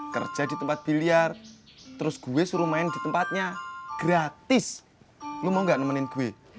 kerja di tempat biliar terus gue suruh main di tempatnya gratis lo mau gak nemenin gue